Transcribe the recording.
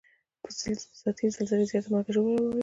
سطحي زلزلې زیاته مرګ ژوبله اړوي